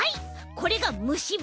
これがむしば。